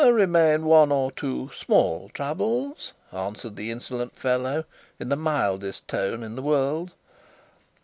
"There remain one or two small troubles," answered the insolent fellow, in the mildest tone in the world.